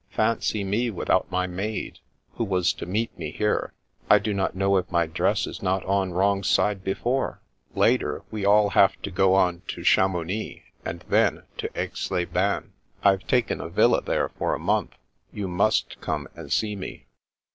Fancy me without my maid, who was to meet me here. I do not know if my dress is not on wrong side before. Later, we all have to go on to Chamounix and then to Aix les Bains. I've taken a villa there for a month. You must come and see me."